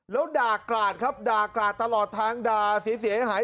แล้วด่ากราดครับด่ากราดตลอดทางด่าเสียหาย